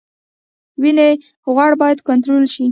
وینې غوړ باید کنټرول شي